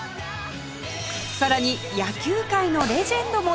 さらに野球界のレジェンドも登場です